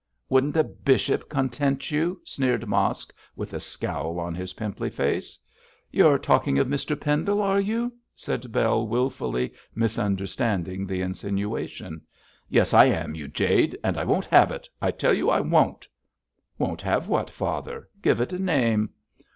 'Wouldn't a bishop content you?' sneered Mosk, with a scowl on his pimply face. 'You're talking of Mr Pendle, are you?' said Bell wilfully misunderstanding the insinuation. 'Yes, I am, you jade! and I won't have it. I tell you I won't!' 'Won't have what, father? Give it a name.'